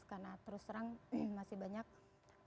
karena terus terang masih banyak orang orang yang masih tidak tahu